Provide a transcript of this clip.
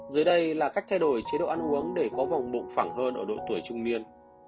dưới đây là cách thay đổi chế độ ăn uống để có vòng bộ phẳng hơn ở độ tuổi trung niên